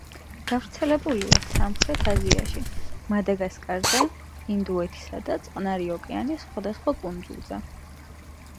გავრცელებულია სამხრეთ აზიაში, მადაგასკარზე, ინდოეთისა და წყნარი ოკეანის სხვადასხვა კუნძულზე.